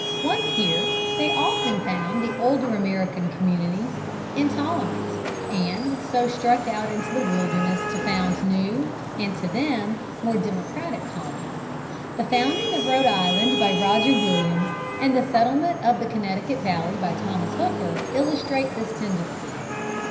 Once here they often found the older American communities intolerant, and so struck out into the wilderness to found new and, to them, more democratic colonies. The founding of Rhode Island by Roger Williams, and the settlement of the Connecticut valley by Thomas Hooker, illustrate this tendency.